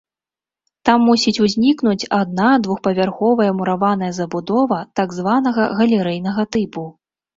Там мусіць узнікнуць адна-двухпавярховая мураваная забудова так званага галерэйнага тыпу.